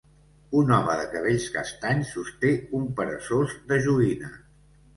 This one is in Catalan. Un home de cabells castanys sosté un peresós de joguina.